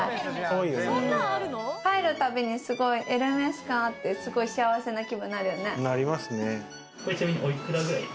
入るたびに、すごいエルメス感あってすごい幸せな気分になるよね。